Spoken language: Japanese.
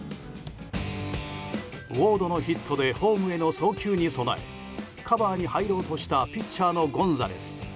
ウォードのヒットでホームへの送球に備えカバーに入ろうとしたピッチャーのゴンザレス。